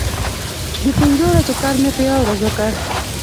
د پنځو ورځو کار مې په یوه ورځ وکړ.